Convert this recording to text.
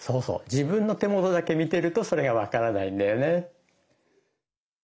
自分の手元だけ見てるとそれが分からないんだよね。